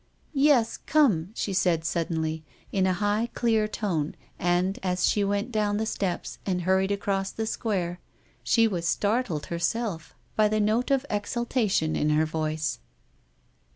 " Yes," she said suddenly, in a high, clear tone, and, as she went down the steps and hurried across the square, she was startled herself by the note of exultation in her voice.